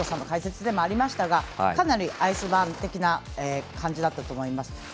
解説でもありましたがかなりアイスバーン的な感じだったと思います。